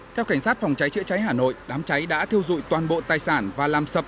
theo cảnh sát phòng cháy chữa cháy hà nội đám cháy đã thiêu dụi toàn bộ tài sản và làm sập